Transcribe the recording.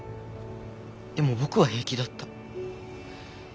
でも僕は平気だった。